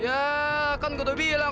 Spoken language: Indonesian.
yaak kan gua udah bilang